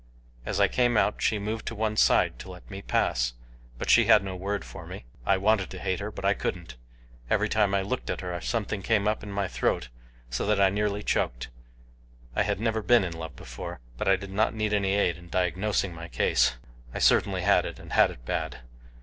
As I came out she moved to one side to let me pass, but she had no word for me. I wanted to hate her, but I couldn't. Every time I looked at her something came up in my throat, so that I nearly choked. I had never been in love before, but I did not need any aid in diagnosing my case I certainly had it and had it bad.